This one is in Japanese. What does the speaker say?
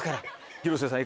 広末さん